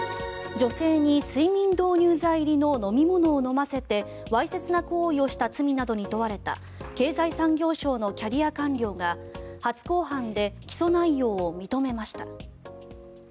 女性に睡眠導入剤入りの飲み物を飲ませてわいせつな行為をした罪などに問われた経済産業省のキャリア官僚が初公判で起訴内容を認めました。